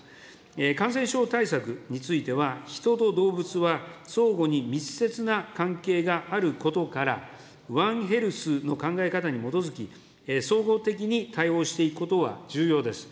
感染症対策については、人と動物は相互に密接な関係があることから、ワンヘルスの考え方に基づき、総合的に対応していくことは重要です。